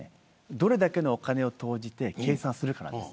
どれだけのお金を投じて計算するかです。